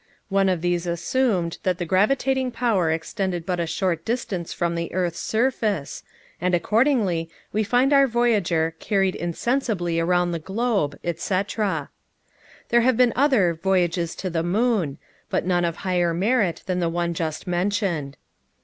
One of these assumed, that the "gravitating power" extended but a short distance from the earth's surface, and, accordingly, we find our voyager "carried insensibly around the globe," etc. There have been other "voyages to the moon," but none of higher merit than the one just mentioned.